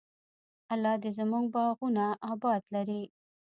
الله دې زموږ باغونه اباد لري.